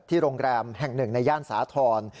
โรงแรมแห่งหนึ่งในย่านสาธรณ์